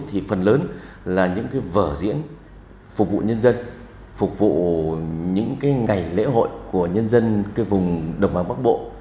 thì phần lớn là những cái vở diễn phục vụ nhân dân phục vụ những cái ngày lễ hội của nhân dân cái vùng đồng bằng bắc bộ